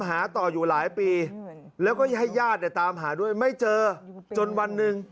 หาต่ออยู่หลายปีแล้วก็ให้ญาติเนี่ยตามหาด้วยไม่เจอจนวันหนึ่ง